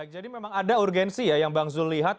jadi memang ada urgensi ya yang bang zul lihat